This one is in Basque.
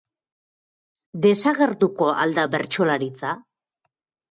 Desagertuko al da bertsolaritza?